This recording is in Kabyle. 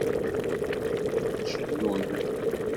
Cennun.